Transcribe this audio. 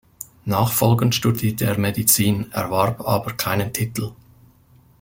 Nachfolgend studierte er Medizin, erwarb aber keinen Titel.